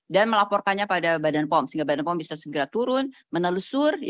dan melaporkannya pada badan pom sehingga badan pom bisa segera turun menelusur